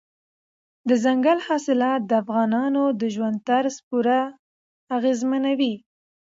دځنګل حاصلات د افغانانو د ژوند طرز پوره اغېزمنوي.